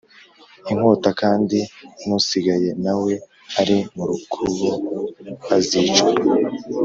Inkota kandi n usigaye na we ari mu rukubo azicwa